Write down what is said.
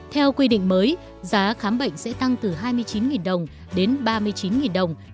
theo quy định mới giá khám bệnh sẽ tăng từ hai mươi chín đồng đến ba mươi chín đồng